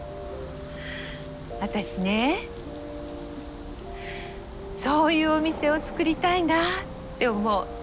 私ねそういうお店を作りたいなって思う。